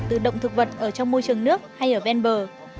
từ động thực vật ở trong môi trường nước hay ở ven bờ